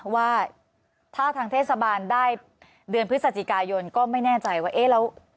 ว่าถ้าทางเทศบาลได้เดือนพฤศจิกายนก็ไม่แน่ใจว่าเอ๊ะแล้ว